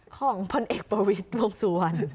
ของพลเอกประวิทย์วงสุวรรณ